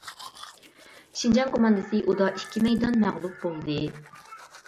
شىنجاڭ كوماندىسى ئۇدا ئىككى مەيدان مەغلۇپ بولدى.